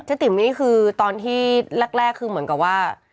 ติ๋มนี่คือตอนที่แรกคือเหมือนกับว่า